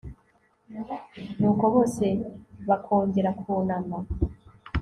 nuko, bose bakongera kunama